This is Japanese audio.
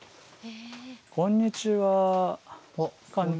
こんにちは館長。